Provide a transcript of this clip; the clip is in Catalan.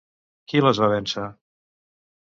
Qui les va vèncer?